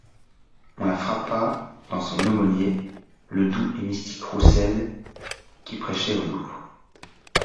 On la frappa dans son aumônier, le doux et mystique Roussel, qui prêchait au Louvre.